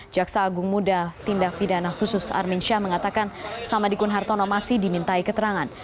jaksa agung muda tindak pidana khusus armin syah mengatakan samadikun hartono masih dimintai keterangan